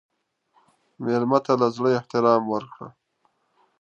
مېلمه ته له زړه احترام ورکړه.